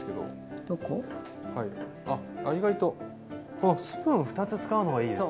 このスプーン２つ使うのがいいですね。